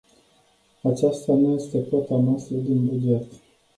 Aceasta nu este cota noastră din buget.